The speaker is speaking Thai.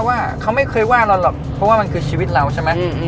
ว่าเขาไม่เคยว่าเราหรอกเพราะว่ามันคือชีวิตเราใช่ไหม